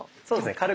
そうですね。